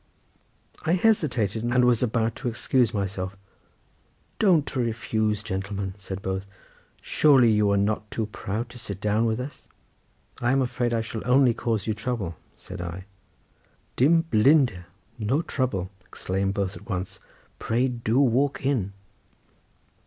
I hesitated, and was about to excuse myself. "Don't refuse, gentleman!" said both, "surely you are not too proud to sit down with us?" "I am afraid I shall only cause you trouble," said I. "Dim blinder, no trouble," exclaimed both at once; "pray do walk in!"